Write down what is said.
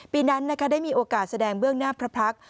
ปีนั้นนะคะได้มีโอกาสแสดงเบื้องหน้าพระพักษณ์